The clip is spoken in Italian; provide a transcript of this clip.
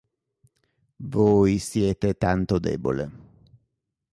Voi siete tanto debole.